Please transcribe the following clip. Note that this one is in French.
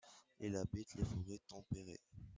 Il habite les forêts tempérées.